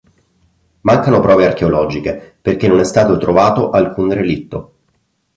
Mancano prove archeologiche perché non è stato trovato alcun relitto.